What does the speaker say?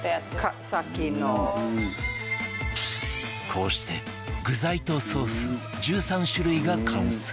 こうして具材とソース１３種類が完成